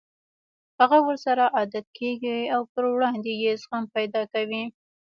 هغه ورسره عادت کېږي او پر وړاندې يې زغم پيدا کوي.